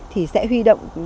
thì sẽ huy động